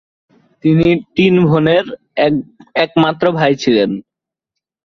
তিনি তিন বোনের একমাত্র ভাই ছিলেন।